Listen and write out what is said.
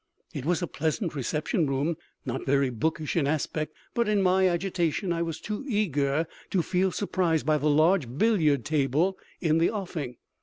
It was a pleasant reception room, not very bookish in aspect, but in my agitation I was too eager to feel surprised by the large billiard table in the offing.